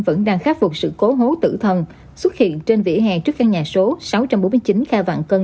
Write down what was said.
vẫn đang khắc phục sự cố hố tử thần xuất hiện trên vỉa hè trước căn nhà số sáu trăm bốn mươi chín kha vạn cân